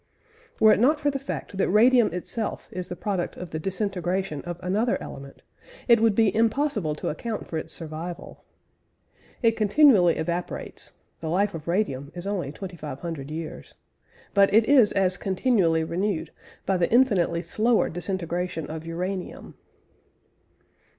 Were it not for the fact that radium itself is the product of the disintegration of another element, it would be impossible to account for its survival. It continually evaporates (the life of radium is only 2500 years) but it is as continually renewed by the infinitely slower disintegration of uranium.